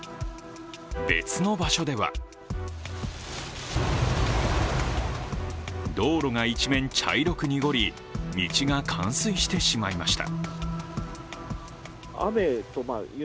別の場所では道路が一面茶色く濁り、道が冠水してしまいました。